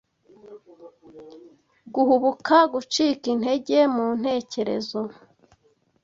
guhubuka, gucika intege mu ntekerezo